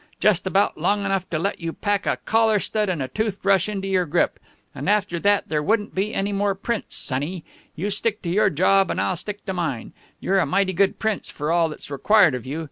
Just about long enough to let you pack a collar stud and a toothbrush into your grip. And after that there wouldn't be any more Prince, sonnie. You stick to your job and I'll stick to mine. You're a mighty good Prince for all that's required of you.